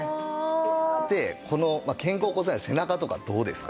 この肩甲骨まわり背中とかどうですか？